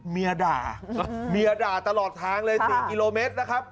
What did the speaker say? เมียด่าเมียด่าตลอดทางเลย๔กิโลเมตรนะครับ